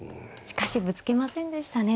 しかしぶつけませんでしたね。